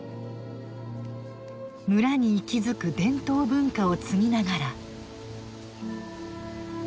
ムラに息づく伝統文化を継ぎながら。